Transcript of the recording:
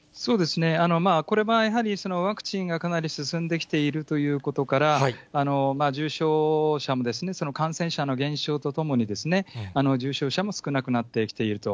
これはやはりワクチンがかなり進んできているということから、重症者もその感染者の減少とともに、重症者も少なくなってきていると。